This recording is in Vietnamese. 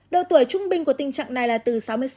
đầu tuổi trung bình của tình trạng này là từ sáu mươi sáu tuổi